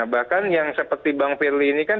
bahkan yang seperti bang firly ini kan